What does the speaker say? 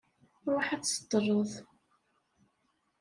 Ṛuḥ ad d-tseṭṭleḍ.